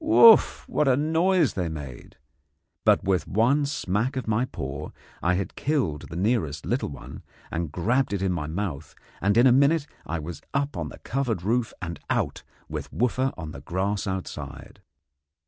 Wouff! what a noise they made! But with one smack of my paw I had killed the nearest little one, and grabbed it in my mouth, and in a minute I was up on the covered roof and out with Wooffa on the grass outside.